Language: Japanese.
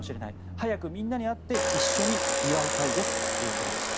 早くみんなに会って一緒に祝いたいですということでした。